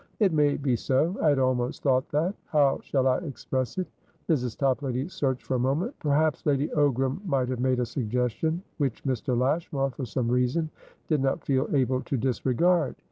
"It may be so. I had almost thought thathow shall I express it?" Mrs. Toplady searched for a moment. "Perhaps Lady Ogram might have made a suggestion, which Mr. Lashmar, for some reason, did not feel able to disregard.